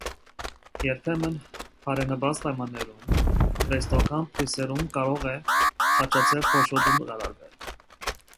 Երբեմն, բարենպաստ պայմաններում, կլեյստոգամ բույսերում կարող է խաչաձև փոշոտում կատարվել։